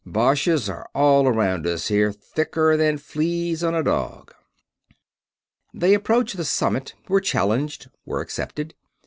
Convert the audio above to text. Boches are all around us here, thicker than fleas on a dog." They approached the summit, were challenged, were accepted.